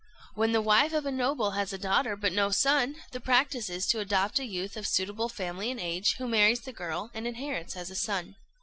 When the wife of a noble has a daughter but no son, the practice is to adopt a youth of suitable family and age, who marries the girl and inherits as a son.